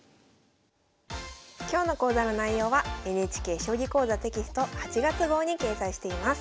今日の講座の内容はＮＨＫ「将棋講座」テキスト８月号に掲載しています。